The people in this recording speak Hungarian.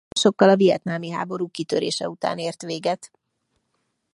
A program nem sokkal a vietnámi háború kitörése után ért véget.